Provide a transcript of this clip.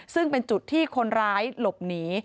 ซึ่งเป็นจุดที่คนร้ายหลบหนี